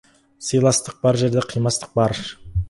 Сыйластық бар жерде қимастық бар.